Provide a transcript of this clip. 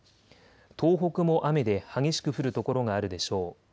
東北も雨で激しく降る所があるでしょう。